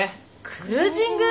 クルージング？